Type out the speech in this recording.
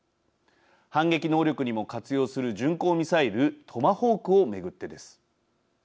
反撃能力にも活用する巡航ミサイルトマホークを巡ってです。